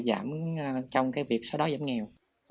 giảm trong việc sau đó giảm nghèo